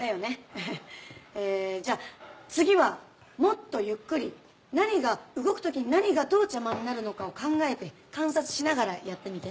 ええじゃあ次はもっとゆっくり何が動く時に何がどう邪魔になるのかを考えて観察しながらやってみて。